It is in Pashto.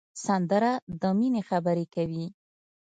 سندره د مینې خبرې کوي